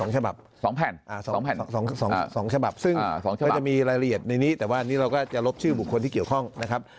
ฉบับ๒แผ่น๒ฉบับซึ่งมันจะมีรายละเอียดในนี้แต่ว่านี่เราก็จะลบชื่อบุคคลที่เกี่ยวข้องนะครับ